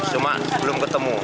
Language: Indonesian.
cuma belum ketemu